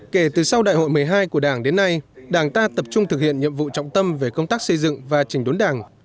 kể từ sau đại hội một mươi hai của đảng đến nay đảng ta tập trung thực hiện nhiệm vụ trọng tâm về công tác xây dựng và trình đốn đảng